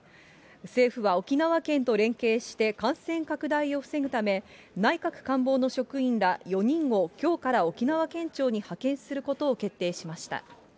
政府は沖縄県と連携して、感染拡大を防ぐため、内閣官房の職員ら４人をきょうから沖縄県庁に派遣することを決定しました。